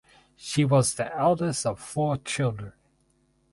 She was the eldest of four children.